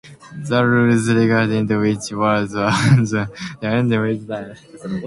The rules regarding which words are permitted have changed with time.